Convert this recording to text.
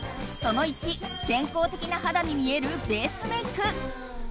その１、健康的な肌に見えるベースメイク。